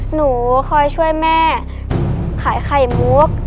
หนูคอยช่วยแม่ขายไข่มุก